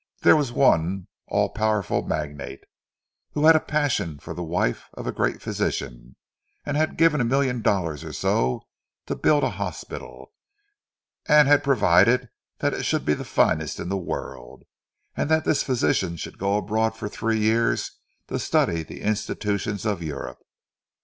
There was one all powerful magnate, who had a passion for the wife of a great physician; and he had given a million dollars or so to build a hospital, and had provided that it should be the finest in the world, and that this physician should go abroad for three years to study the institutions of Europe!